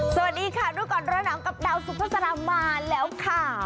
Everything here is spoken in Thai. สวัสดีค่ะดูกรณามกับดาวสุขสรรามมาแล้วค่ะ